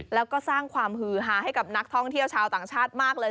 แล้วก็สร้างความฮือฮาให้กับนักท่องเที่ยวชาวต่างชาติมากเลย